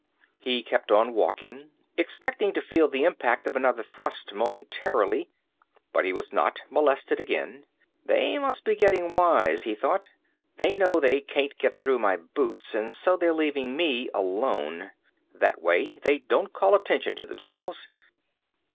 He kept on walking, expecting to feel the impact of another thrust momentarily, but he was not molested again. They must be getting wise, he thought. _They know they can't get through my boots, and so they're leaving me alone. That way they don't call attention to themselves.